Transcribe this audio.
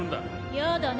やだね。